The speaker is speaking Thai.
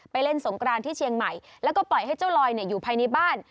เล่นสงกรานที่เชียงใหม่แล้วก็ปล่อยให้เจ้าลอยอยู่ภายในบ้าน